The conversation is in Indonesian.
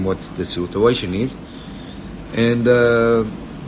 jangan khawatir kita akan mencari pengemudi